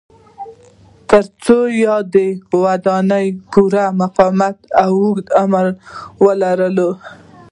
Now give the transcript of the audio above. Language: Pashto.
ترڅو یادې ودانۍ پوره مقاومت او اوږد عمر ولري.